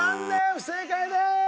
不正解でーす！